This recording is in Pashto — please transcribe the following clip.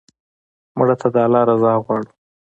مړه ته د الله رضا غواړو